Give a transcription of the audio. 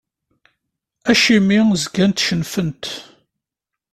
Acimi zgant cennfent?